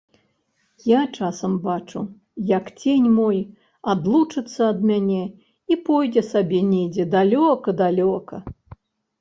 Я часам бачу, як цень мой адлучыцца ад мяне і пойдзе сабе недзе далёка-далёка!